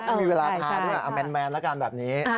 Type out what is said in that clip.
ไม่มีเวลาทาด้วยเอาแมนแล้วกันแบบนี้